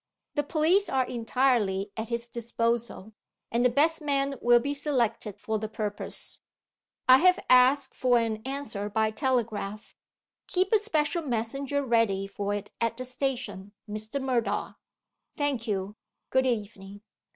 The police are entirely at his disposal; and the best men will be selected for the purpose. I have asked for an answer by telegraph. Keep a special messenger ready for it at the station, Mr. Murdoch. Thank you; good evening.